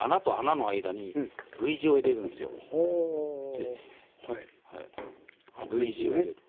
でＶ字を入れる。